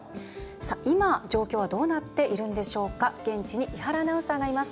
今、状況はどうなっているんでしょうか現地に伊原アナウンサーがいます。